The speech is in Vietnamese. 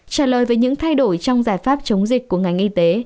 trả lời về những thay đổi trong giải pháp chống dịch của ngành y tế